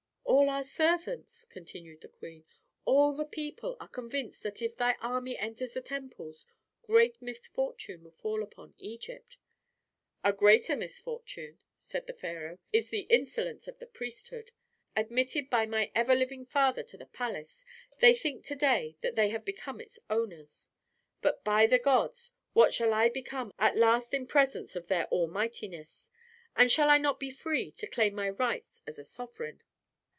"All our servants," continued the queen, "all the people are convinced that if thy army enters the temples, great misfortune will fall upon Egypt." "A greater misfortune," said the pharaoh, "is the insolence of the priesthood. Admitted by my ever living father to the palace, they think to day that they have become its owners. But by the gods, what shall I become at last in presence of their all mightiness? And shall I not be free to claim my rights as a sovereign?"